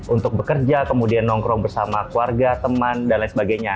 untuk bekerja kemudian nongkrong bersama keluarga teman dan lain sebagainya